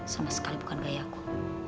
sama sekali bukan bayi aku